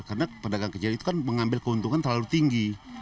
karena pedagang kecil itu kan mengambil keuntungan terlalu tinggi